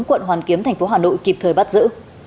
quận hoàn kiếm thành phố hà nội kịp thời bắt giữ